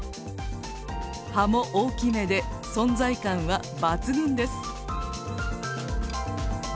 葉も大きめで存在感は抜群です。